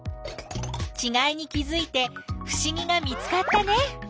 ちがいに気づいてふしぎが見つかったね！